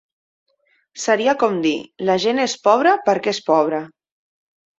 Seria com dir "La gent és pobre perquè és pobre".